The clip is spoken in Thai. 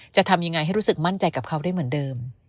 จะทำยังไงให้รู้สึกมั่นใจกับเขาได้เหมือนเดิม